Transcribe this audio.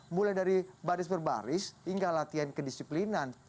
mulai dari baris per baris hingga latihan kedisiplinan